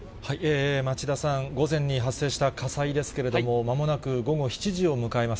町田さん、午前に発生した火災ですけれども、まもなく午後７時を迎えます。